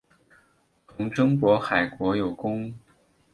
从征渤海国有功。